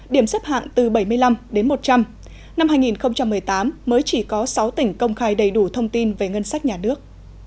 điểm xếp hạng từ bảy mươi năm đến một trăm linh năm hai nghìn một mươi tám mới chỉ có sáu tỉnh công khai đầy đủ thông tin về ngân sách nhà nước